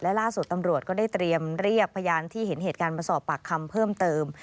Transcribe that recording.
และล่าสุดตำรวจก็ได้เตรียมเรียกพยานที่เห็นเหตุการณ์มาสอบปากคำเพิ่มเติม